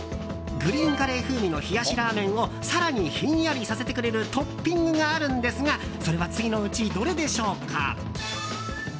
グリーンカレー風味の冷やしラーメンを更にひんやりさせてくれるトッピングがあるんですがそれは次のうち、どれでしょうか。